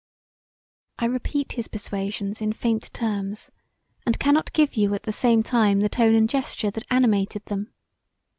I repeat his persuasions in faint terms and cannot give you at the same time the tone and gesture that animated them.